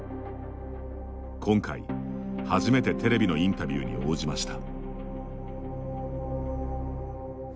今回初めて、テレビのインタビューに応じました。